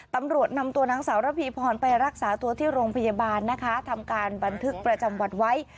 ตำรวจนำตัวนางสาวระพีพรไปรักษาตัวที่โรงพยาบาลนะคะทำการบันทึกประจำวันไว้